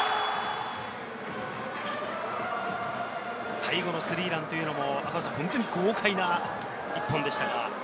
最後のスリーランというのも本当に豪快な１本でしたが。